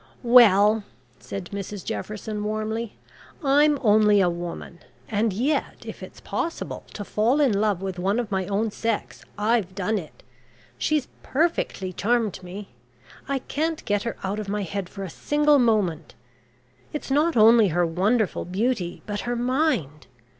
"Well," said Mrs Jefferson warmly, "I'm only a woman, and yet if it's possible to fall in love with one of my own sex, I've done it. She's perfectly charmed me. I can't get her out of my head for a single moment. It's not only her wonderful beauty, but her mind.